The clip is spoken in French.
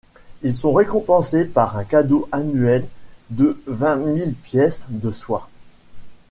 Ils sont récompensés par un cadeau annuel de vingt mille pièces de soie.